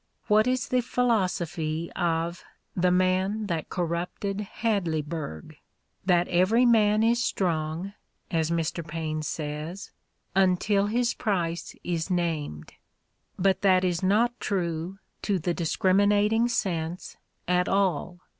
What is the philosophy of "The Man That Corrupted Hadleyburg"? "That every man is strong," as Mr. Paine says, "until his price is named." But that is not true, to the discriminating sense, at all.